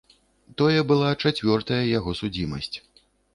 Тое была чацвёртая яго судзімасць.